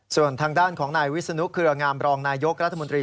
ส่วนทางด้านของนายวิศนุเครืองามรองนายยกรัฐมนตรี